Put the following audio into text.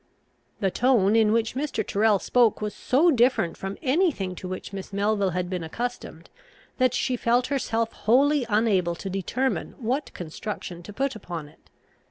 The tone in which Mr. Tyrrel spoke was so different from any thing to which Miss Melville had been accustomed, that she felt herself wholly unable to determine what construction to put upon it.